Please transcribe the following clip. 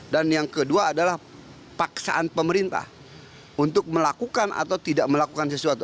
dan yang kedua adalah paksaan pemerintah untuk melakukan atau tidak melakukan sesuatu